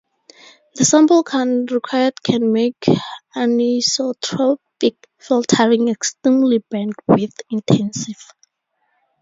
The sample count required can make anisotropic filtering extremely bandwidth-intensive.